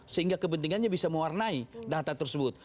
sehingga kepentingannya bisa mewarnai data tersebut